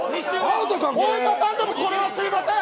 太田さんでも、これはすいません！